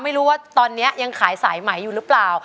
ไม่รู้ว่าตอนนี้ยังขายสายไหมอยู่หรือเปล่า